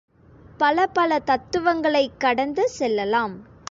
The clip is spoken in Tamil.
பலபல தத்துவங்களைக் கடந்து செல்லலாம்.